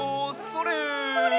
それ！